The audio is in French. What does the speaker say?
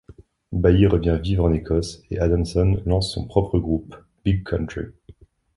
Baillie revient vivre en Écosse et Adamson lance son propre groupe, Big Country.